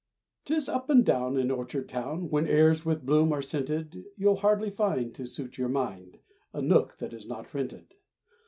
'Tis up and down In Orchard town, When airs with bloom are scented, You'll hardly find To suit your mind A nook that is not rented.